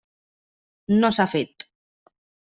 No s'ha fet.